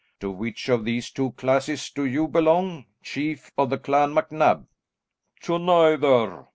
To which of these two classes do you belong, Chief of the Clan MacNab?" "To neither.